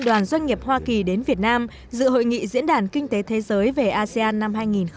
đoàn doanh nghiệp hoa kỳ đến việt nam dự hội nghị diễn đàn kinh tế thế giới về asean năm hai nghìn hai mươi